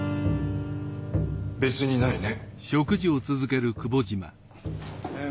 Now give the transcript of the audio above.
別にないね。